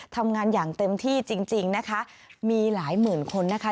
ทำงานอย่างเต็มที่จริงจริงนะคะมีหลายหมื่นคนนะคะ